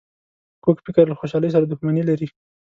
کوږ فکر له خوشحالۍ سره دښمني لري